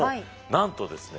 なんとですね